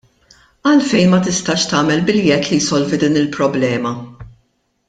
Għalfejn ma tistax tagħmel biljett li jsolvi din il-problema?